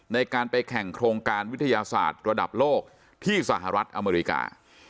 ในการไปแข่งโครงการวิทยาศาสตร์ระดับโลกที่สหรัฐอเมริกา